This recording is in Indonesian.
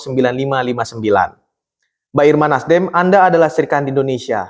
mbak irma nasdem anda adalah serikan di indonesia